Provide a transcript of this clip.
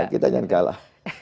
kita jangan kalah